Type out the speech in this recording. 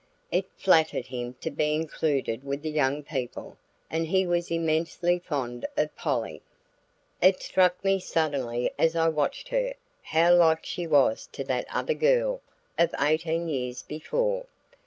It flattered him to be included with the young people, and he was immensely fond of Polly. It struck me suddenly as I watched her, how like she was to that other girl, of eighteen years before.